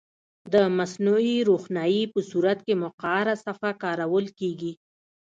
د مصنوعي روښنایي په صورت کې مقعره صفحه کارول کیږي.